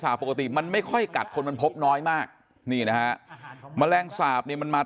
สาบปกติมันไม่ค่อยกัดคนมันพบน้อยมากนี่นะแมลงสาบมันมา